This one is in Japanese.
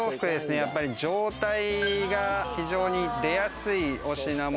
やっぱり状態が非常に出やすいお品物。